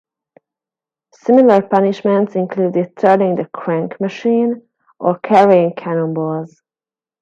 Similar punishments included turning the "crank machine" or carrying cannonballs.